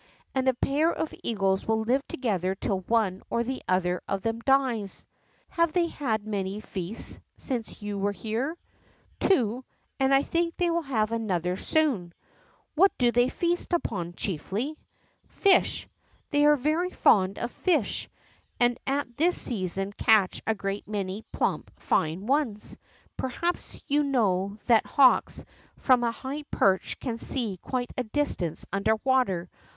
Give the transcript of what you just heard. And a pair of eagles will live together till one or the other of them dies.' ^ Have they had many feasts since you were here ?'^ Two, and I think they will have another soon.' ^ What do they feast upon chiefly ?'^ Tish. They are very fond of fish, and at this season catch a great many plump, fine ones. Perhaps you know that hawks from a high perch can see quite a distance under water.